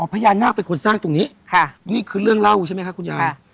พญานาคเป็นคนสร้างตรงนี้นี่คือเรื่องเล่าใช่ไหมคะคุณยาย